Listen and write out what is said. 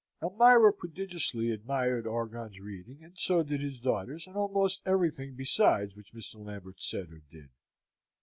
Elmira prodigiously admired Orgon's reading, and so did his daughters, and almost everything besides which Mr. Lambert said or did.